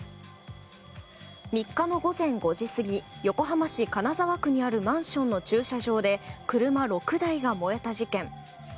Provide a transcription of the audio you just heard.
３日の午前５時過ぎ横浜市金沢区にあるマンションの駐車場で車６台が燃えた事件。